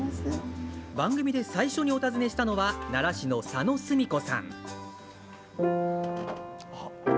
番組で最初にお訪ねしたのは、奈良市の佐野澄子さん。